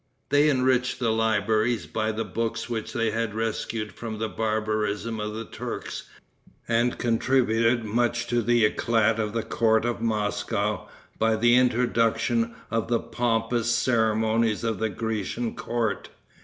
They enriched the libraries by the books which they had rescued from the barbarism of the Turks, and contributed much to the eclat of the court of Moscow by the introduction of the pompous ceremonies of the Grecian court.